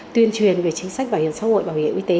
tuyên truyền về chính sách bảo hiểm xã hội bảo hiểm y tế